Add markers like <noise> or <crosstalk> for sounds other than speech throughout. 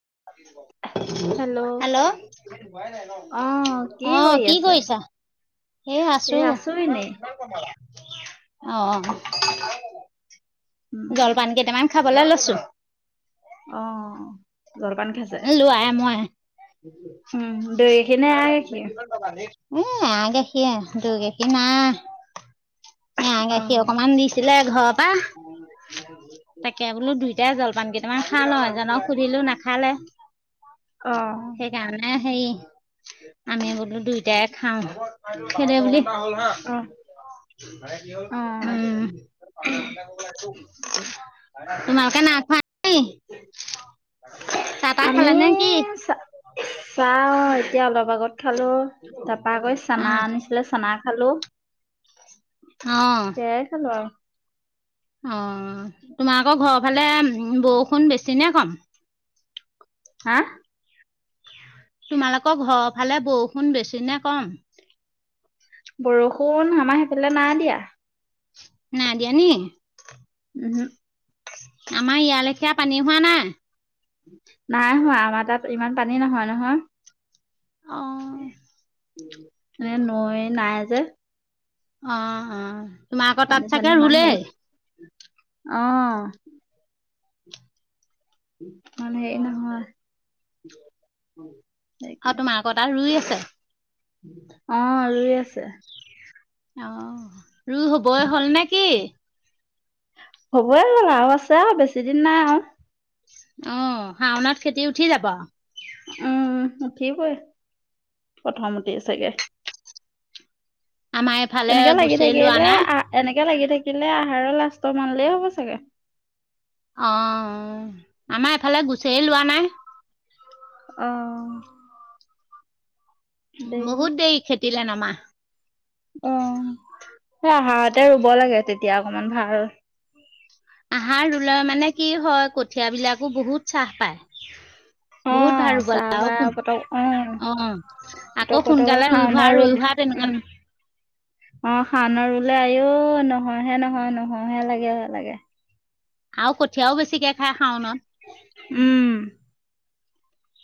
<unintelligible> Hello, অ অহ কৰি কি আছে কৰিছা? এই এ আছো। এনেই অহ, উম জলপান কেইটামান খাবলৈ লৈছো। অহ লোৱাই- মই। উম দৈ খিনি গাখীৰ <unintelligible> উম, এয়া গাখীৰে দৈ, গাখীৰ নাই। এয়া অ গাখীৰ অকমান দিছিলে ঘৰৰ পৰা তাকে বোলো দুই তাই জলপান কেইটামান খাই লও এজনক সুধিলো নাখালে অ মানে হেৰী আমি বোলো দুইটাই খাওঁ খেৰে বুলি অ অ উম তোমালোকে নাইখোৱা নি? চাহ- তাহ খালা নে কি? চাও এতিয়া অলপ আগত খালো তাৰপা আকৌ অ চানা আনিছিলে চানা হে'ল্ল? অ এয়াই খালোঁ আৰু। অ'। তোমাৰ আকৌ ঘৰৰ ফালে উম বৰষুণ বেছি নে কম? হা? তোমালোকৰ ঘৰৰ ফালে বৰষুণ বেছি নে কম? বৰষুণ আমাৰ সেইফালে নাই দিয়া। নাই দিয়া নি? উহু। আমাৰ ইয়ালেখীয়া পানী হোৱা নাই? নাই হোৱা। আমাৰ তাত ইমান পানী নহয়, নহয়। অ', এ নৈ নাই যে। অ' - অ'। তোমাৰ আকৌ পানী তাত চানী চাগে ইমান হেৰি ৰুলেই? অ'। মানে নহয়। অ' সেইটোৱে। তোমালোকৰ তাত ৰুই আছে? অ' ৰুই আছে। অ'। ৰুই হবই হ'ল নেকি? হ'বয়ে আৰু আছে। আৰু বেছি দিন নাই আৰু। অ' শাওনত খেতি উঠি যাব। উম, উঠিবয়ে, প্ৰথমতে চাগে। আমাৰ এইফালে এনেকে লাগি গুচেই লোৱা থাকিলে নাই। আ- এনে য়া লাগি থাকিলে আহাৰৰ লাষ্টৰ মানলে হ'ব চাগে। অ'। আমাৰ এফালে গুচেই লোৱা নাই। অ'। বহুত দেৰি খেতিলে নমা। অ', এতিয়া অকমান ভাল আহাৰত ৰুলে মানে কি হয়, কঠীয়াবিলাকো বহুত ছাহ পায়। বহুত অ', ভাল চাহ ৰুবলে। আৰু বাহ সোন- পতক অ', অ' পতক আকৌ পতকে সোনকালে ৰুই হোৱা শাওনৰ - ৰুই ৰুল হোৱাত উম। অ' শাওনত ৰুলে আইঔ, নহয়হে নহয় - নহয়হে লাগে- লাগে। আৰু কঠীয়াও বেছিকে খায় শাওনত। উম।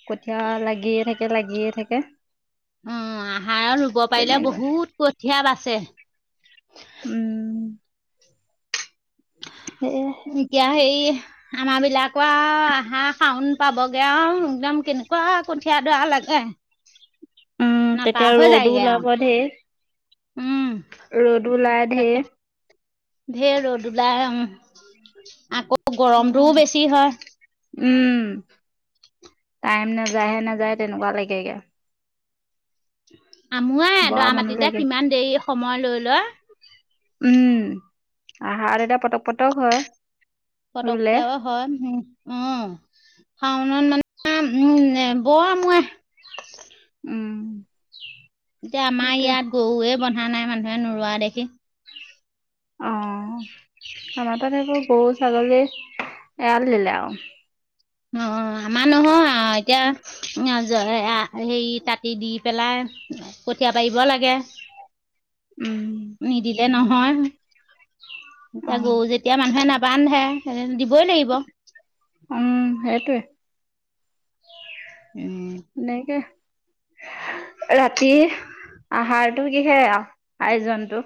কঠীয়া লাগিয়ে থাকে - লাগিয়ে থাকে। উম আহাৰত ৰুব পাৰিলে তেনেকৈ বহুত কঠীয়া বাছে। উম। সেয়ে এতিয়াহে এই আমাৰবিলাকৰ আৰু আহাৰ-শাউন পাব আও একদম কেনেকুৱা কঠীয়াদ'ৰা লাগে। উম, নতা তেতিয়া হৈ ৰ'দো যায়গে আৰু ওলাব ঢেৰ। উম ৰ'দো ওলায় তাকে ঢেৰ। ঢেৰ ৰ'দ ওলায়, উম। আকৌ গৰমটোও সেইকাৰণে বেছি হয়। উম। টাইম নাযায়হে নাযায় তেনেকুৱা লাগেগে। আমোৱাই বৰ এদৰা আমনি মাটিতে, লাগে কিমান দেৰি সময় লৈ লৈ। আহাৰ এতিয়া পটক - পটক হয়। ৰুলে পটককেও হয়, উম। অ'। শাওনত মানে উম বোৱা মই উম। এতিয়া আমাৰ সেইটোৱে ইয়াত গৰুৱে বন্ধা নাই, মানুহে নোৰোৱা দেখি। অ'। আমাৰ তাত এইবোৰ গৰু-ছাগলী এৰাল দিলে আও। অ', আমাৰ নহয় আও এতিয়া। জ- এয়া- হেৰি কাটি দি পেলাই কঠীয়া পাৰিব লাগে। উম নিদিলে নহয়। অ এতিয়া গৰু যেতিয়া মানুহে নাবান্ধে, সেনে দিবই লাগিব। উম সেইটোৱে উম এনেকে ৰাতি আহাৰতো কিহে আয়োজনটো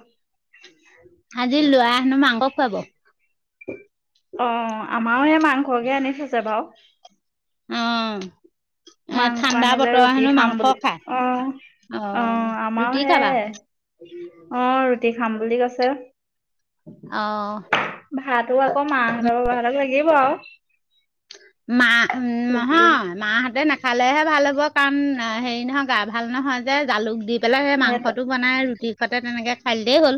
আজি ল'ৰাই সেনো মাংস খুৱাব অ আমাৰো সে মাংসকে আনি থৈছে বাৰু অঁ মাংস আনিলে ৰুটি খাম বুলি খায় অ অ আমাৰ ৰুটি হে খাবা অ ৰুটি খাম বুলি কৈছে অ ভাতটো আকৌ মা হঁতক লাগিব আৰু মা উ ৰুটিও নহয় মাহাহঁতে নাখালেহে ভাল হ'ব কাম হেৰি নহয় গা ভাল নহয় যে জালুক দি পেলাই সেই সিহঁত মাংসটো বনায় ৰুটিৰ সতে তেনেকৈ খাইদিলে হ'ল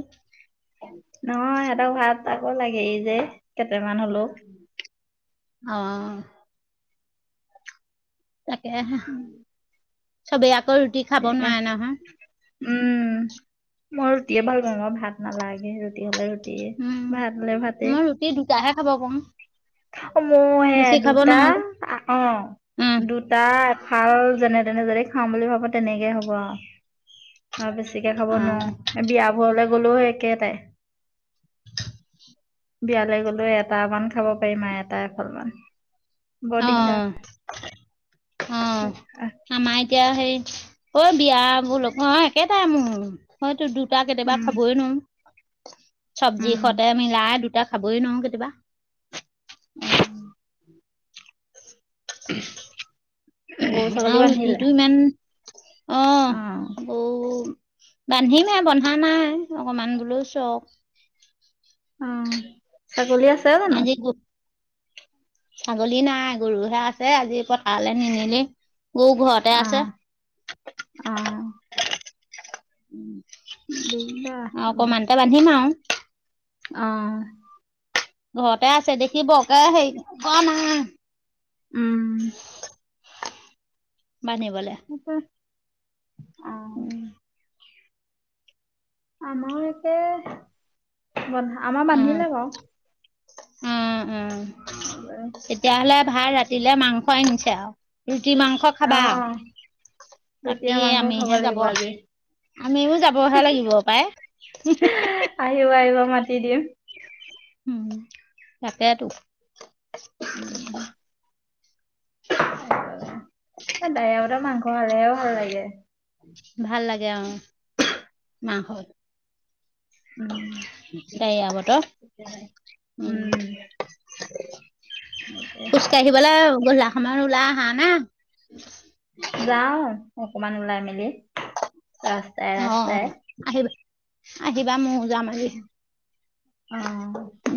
নহ সিহঁতক ভাত আকৌ লাগে যে কেইটামান হলেও অ তাকে চবেই আকৌ ৰুটি খাব সেনেকা নোৱাৰে উম নহয় মই ৰুটিয়ে ভাল পাওঁ মই ভাত নালাগে ৰুটি হ'লে ৰুটি উম মই ৰুটি দুটাহে খাব পাৰো মই হে বেছি খাব দুটা নোৱাৰো অ দুটা এফাল যেনে তেনে যেনে খাম বুলি ভাবো তেনেকে হ'ব আৰু আৰু বেছিকে খাব অঁ নোৱাৰো বিয়াবোৰলে গ'লোও একেটাই <unintelligible> বিয়ালৈ গলেও এটা মান খাব পাৰিম আৰু এটা এফাল মান অঁ অঁ অঁ আমাৰ এটি এতিয়া হেই ঐ বিয়া বোলো অ একেটাই মো হয়তো দু দুটা কেতিয়াবা উম খাবই নোৱাৰো চব্জি উম সতে মিলাই দুটা খাবই নোৱাওঁ কেতিয়াবা উম গৰু ছাগলী বান্ধিলে অ আবৌ বান্ধিমে বন্ধা নাই অকমান বোলো চক অ ছাগলী আছে জানো আজি গ ছাগলী নাই গৰুহে আছে আজি পথালৈ নিনিলেই মোৰ ঘৰতে অ আছে অ উ দিগদাৰ আৰু এইবোৰ। অকমানতে বান্ধিম আৰু অ ঘৰতে আছে দেখি বৰকে হেৰি অ মা উম বান্ধিবলে। অ উম আমাৰ একে আমাৰ উম বান্ধিলে বাৰু উম উম তেতিয়াহ'লে ভাল ৰাতিলে মাংস আনিছে আৰু ৰুটি মাংস অ খাবা ৰুটিয়ে তাকেই মাংস খাব আমিহে যাব লাগিব আজি আমিও যাবহে লাগিব পায় দি দিম উম তাকেতো উম <inaudible> ডাৱৰীয়া বতৰত মাংস খালেহেও ভাল লাগে ভাল লাগে অ মাংসৰ উম। ডাৱৰীয়া বতৰ, তেতিয়াহে। উম, উম। তাকে খোজকাঢ়িবলে গধুলা সময়ত আৰু ওলাই আহা না? যাওঁ। অকমান ওলাই মেলি, ৰাস্তাই অ অ ৰাস্তাই। আহিবা আহিবা, মই যাম আজি। অ',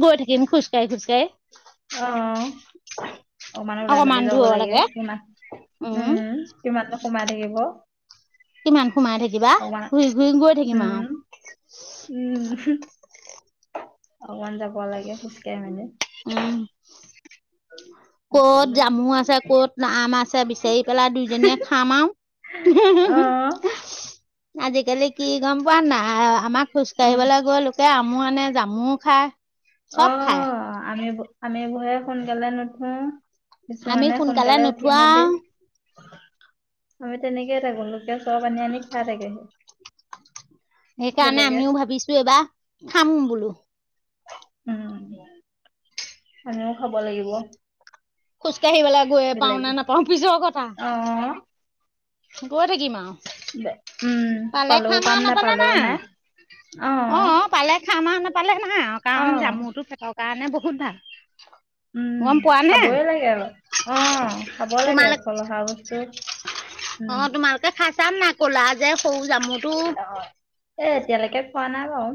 গৈ থাকিম খোজ কাহি খোজ কাহি। অ। অকমান ওলাই মেলি যাব লাগে। কিমান উম কিমাননো সোমাই থাকিব। কিমান সোমাই থাকিবা? অকমান ঘূৰি ঘূৰি গৈ থাকিম উম, আৰু। উম অকমান যাব লাগে খোজকাঢ়ি মেলি। উম। <unintelligible> কত জামু আছে, ক'ত আম আছে বিচাৰি পেলাই দুইজনীয়ে খাম আও। উ অ', <unintelligible> আজিকালি কি গম পোৱা নাই? আমাৰ অ', খোজকাঢ়িবলৈ গৈ লোকে মোৰ এনেই জামুৰ খাই অ, আমি-আমিবোৰে সোনকালে নুঠো। আমি কিছুমানে সোনকালে উঠি নুঠোৱা মেলি, আৰু আমি তেনেকে এটা গলো। চব আনি আনি খাই থাকেহি। সেইকাৰণে বেলেগে আমিও ভাবিছো এইবাৰ খাম বোলো। উম। আমিও খাব লাগিব। খোজকাঢ়িবলে গৈয়ে পাও নে বেলেগে নাপাওঁ পিছৰ কথা। অ গৈ থাকিম আও। দে উম পালেও পাম, নাপালে নাপালেও নাই। আৰু অ পালে খাম আওঁ, নাপালে নাই আও। অ কাৰণ জামুৰটো পেটৰ কাৰণে বহুত ভাল। উম গম পোৱা নে খাবই লাগে আৰু। অ খাব লাগে তোমালোক ফল অহা বস্তু। অ, উম তোমালোকে খাইছা নে নাই কলা যে সৰু জামু অ, এ এতিয়ালৈকে খোঁৱা নাই বাও।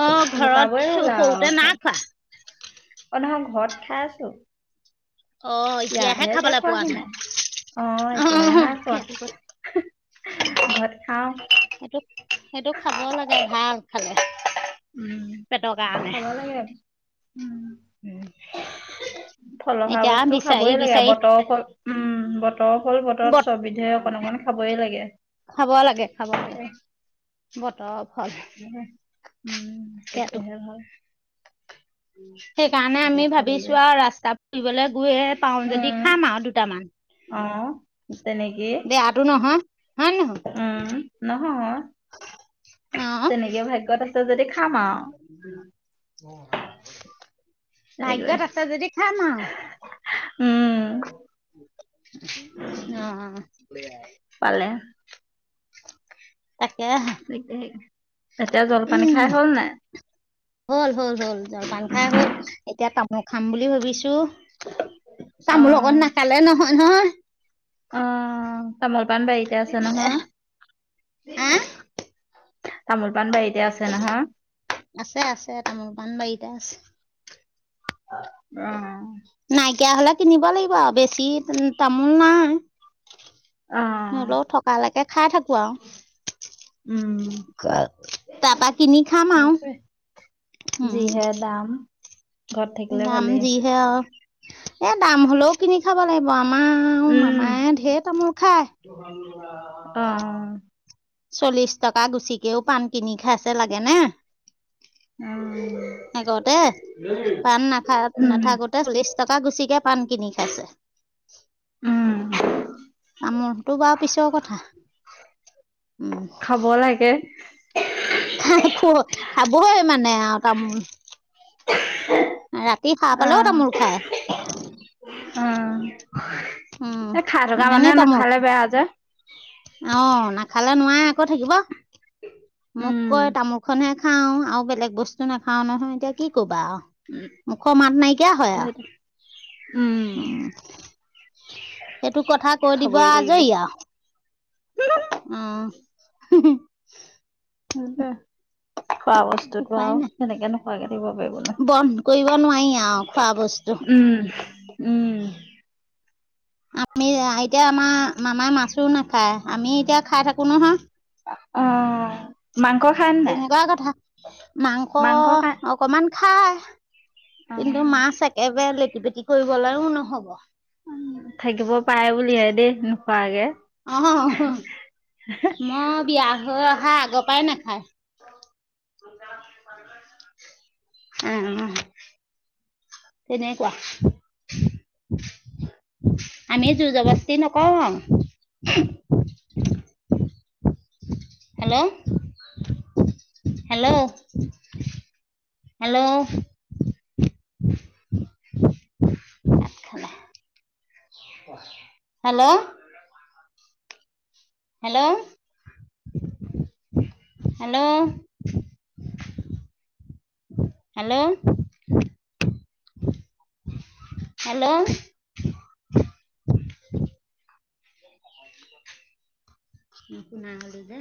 অ ঘৰত লুকাবই হল আও। সৰুতে নাই খোৱা অ, নহয় ঘৰত খাই আছো। অ এতিয়াহে ইয়াতহে এতিয়া খাবলৈ পোৱা খোৱাহি নাই? অ এতিয়াহে হ নাই খোৱা সেইটো কথা। ঘৰত খাও সেটো সেইটো খাব লাগে, ভাল খালে। উম পেটৰ কাৰণে খাব লাগে। উম। থলুৱা হোৱা এতিয়া বস্তু বিচাৰি খাবই লাগে। বিচাৰি বতৰ ফল উম বতৰ ফল বতৰত বত চব বিধে অকণ অকণ খাবই লাগে। খাব লাগে, খাব লাগে বতৰ ফল। উম, সেইটো এতিয়া হে ভাল। সেইকাৰণে আমি তেতিয়া খাবলৈ ভাবিছো আৰু ৰাস্তা ফুৰিবলৈ গৈয়ে পাও যদি খাম আৰু দুটামান। আহ তেনেকেই বেয়াটো নহয় হয় নহয় উম, ন? তেনেকে ভাগ্যত আছে যদি খাম আৰু উ হা হেৰি কৰি ভাগ্যত আছে যদি খাম আও। উম। অ। পালে তাকে এতিয়া জলপানী খাই হল নাই? হল-হল-হল, জলপান খাই হল এতিয়া তামোল খাম বুলি ভাবিছো। অ তামোল অকণ নাখালে নহয় নহয়। আহ তামোল-পাণ বাৰীতে আছে নহয় হা তামোল পাণ বাৰীতে আছে নহয় আছে আছে তামোল পান বাৰীতে আছে আহ নাইকিয় হ'লে কিনিব লাগিব আৰু বেছি তামোল নাই অ হলেও থকালৈকে খাই থাকো আৰু উম তাৰাপা কিনি খাম আৱ সেইটোৱে উম! যিহে দাম ঘৰত থাকিলে দাম ভালেই যিহে আৰু এ দাম হ'লেও কিনি খাব লাগিব আ মামা আৰু উম মামায়ে ঢেৰ তামোল খায় অ চল্লিশ টকা গুচিকেও পাণ কিনি খাইছে লাগে নে অহ আগতে পাণ নাখা উম নাথাকোতে বিছ টকা গুচিকে পাণ কিনি খাইছে উম আমৰটো বাৰু পিছৰ কথা উম, খাব লাগে খা খ খাবই মানে আৰু তামোল ৰাতি সাৰ পালেও তামোল খায় উম উম, এই খাই থকা মানুহে ইমানেই তামোল নাখালে বেয়া যে অ নাখালে নোৱাই আকৌ থাকিব মোক উম কয় তামোল খনহে খাওঁ আৰু বেলেগ বস্তু নাখাওঁ নহয় এতিয়া কি ক'বা মুখৰ মাত নাইকিয়া হয় আৰু সেইটো উম উ সেইটো কথা কৈ দিবা খাবই লাগিব আজৰি আৰু উম খোৱা বস্তুতো উপায় আৰু নাই সেনেকে নহয়গে দিব পাৰিব ন বন্ধ কৰিব নোৱাৰি আৰু খোৱা বস্তু উম উম <inaudible> আমি এতিয়া আমাৰ মামাৰ মাছো নাখায় আমি এতিয়া খাই থাকো নহয় অ মাংস খায় নে নাই তেনেকুৱা কথা মাংস অকমান খাই অ কিন্তু মাছ একেবাৰে লেটি পেটি কৰিবলৈও নহব উম, থাকিব পাৰে বুলিহে দেই নোখোৱাকে। অহহ মই বিয়া হৈ অহা আগৰ পৰাই নাখায়। উম উম। কেনেকোৱা? আমি জোৰ যবস্তি নকওঁ আও। <inaudible> Hello. Hello hello hello. Hello hello hello hello. নুশুনা হলো যে